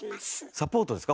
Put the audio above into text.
サポートですか？